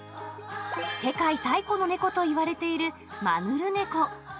世界最古の猫といわれているマヌルネコ。